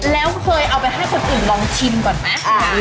แล้วเคยเอาไปให้คนอื่นลองชิมก่อนไหม